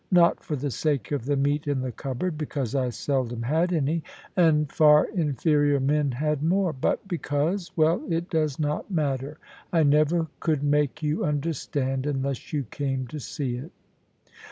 Not for the sake of the meat in the cupboard because I seldom had any, and far inferior men had more; but because well, it does not matter. I never could make you understand, unless you came to see it.